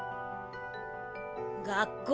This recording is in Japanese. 学校？